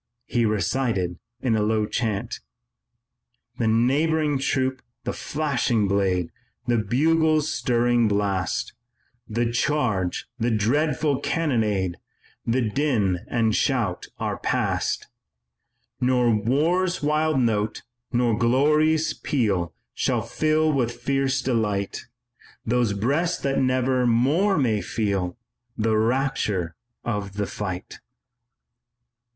He recited in a sort of low chant: "The neighing troop, the flashing blade, The bugle's stirring blast, The charge, the dreadful cannonade, The din and shout are past. "Nor war's wild note, nor glory's peal Shall fill with fierce delight Those breasts that never more may feel The rapture of the fight."